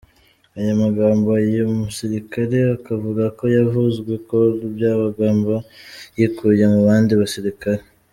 Aya magambo, uyu musirikare akavuga ko yavuzwe Col Byabagamba yikuye mu bandi basirikare.